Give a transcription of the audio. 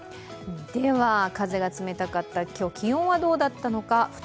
では風が冷たかった今日気温はどうだったのか。